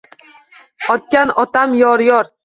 Otgan otam, yor-yor.